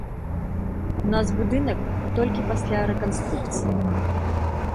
У нас будынак толькі пасля рэканструкцыі.